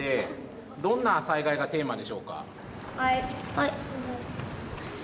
はい！